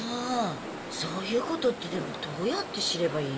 そういうことってでもどうやって知ればいいの？